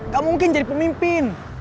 gak mungkin jadi pemimpin